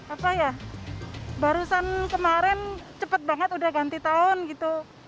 apa ya barusan kemarin cepet banget udah ganti tahun gitu